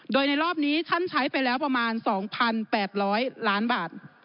โดยในรอบนี้ท่านใช้ไปแล้วประมาณ๒๘๐๐ล้านบาท